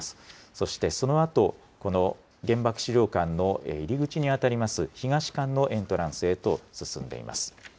そしてそのあと、この原爆資料館の入り口にあたります、東館のエントランスへと進んでいます。